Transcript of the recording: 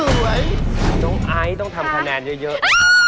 น้องไอ้ต้องทำคะแนนเยอะ